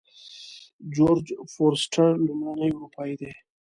جورج فورسټر لومړنی اروپایی دی.